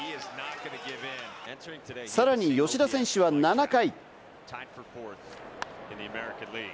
さらに吉田選手は７回。